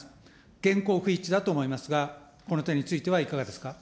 げんこう不一致だと思いますが、この点についてはいかがですか。